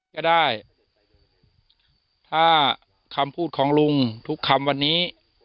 ก็ได้ถ้าคำพูดของลุงทุกคำวันนี้